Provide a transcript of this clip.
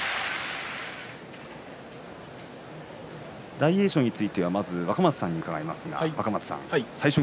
大栄翔については若松さんに伺います。